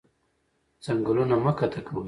ځنګلونه مه قطع کوئ